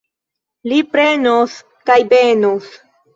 Li prenos kaj benos.